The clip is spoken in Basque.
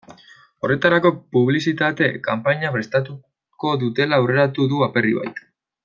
Horretarako publizitate kanpaina prestatuko dutela aurreratu du Aperribaik.